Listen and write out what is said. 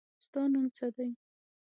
ستا نوم څه دی.